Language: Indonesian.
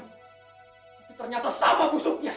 tapi ternyata sama busuknya